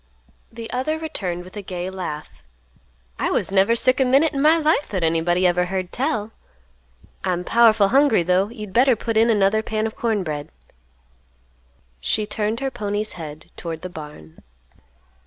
The other returned with a gay laugh, "I was never sick a minute in my life that anybody ever heard tell. I'm powerful hungry, though. You'd better put in another pan of corn bread." She turned her pony's head toward the barn.